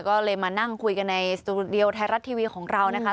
ก็เลยมานั่งคุยกันในสตูดิโอไทยรัฐทีวีของเรานะคะ